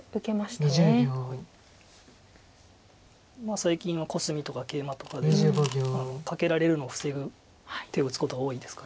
最近はコスミとかケイマとかでカケられるのを防ぐ手を打つことが多いですか。